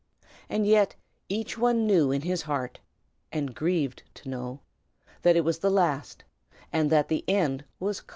And yet each one knew in his heart, and grieved to know, that it was the last, and that the end was come.